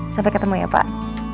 sampai ketemu ya pak